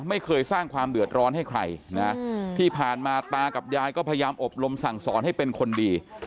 ไม่เคยสร้างความเดือดร้อนให้ใครนะที่ผ่านมาตากับยายก็พยายามอบรมสั่งสอนให้เป็นคนดี